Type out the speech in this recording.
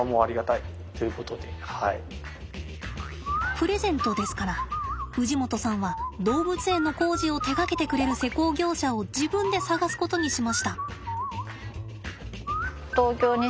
プレゼントですから氏夲さんは動物園の工事を手がけてくれる施工業者を自分で探すことにしました。